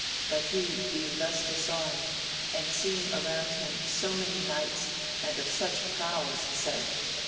but he being thus disarmed, and seeing around him so many knights and of such prowess, said.